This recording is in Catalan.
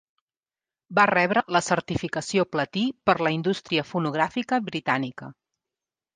Va rebre la certificació platí per la indústria fonogràfica britànica.